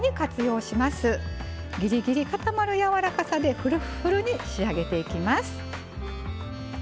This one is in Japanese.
ぎりぎり固まるやわらかさでフルッフルに仕上げていきます。